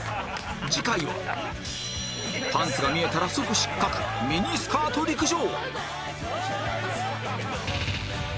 次回はパンツが見えたら即失格ミニスカート陸上